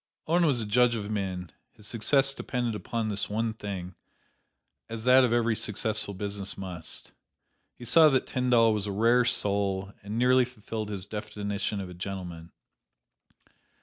Owen was a judge of men; his success depended upon this one thing, as that of every successful business must. He saw that Tyndall was a rare soul and nearly fulfilled his definition of a gentleman.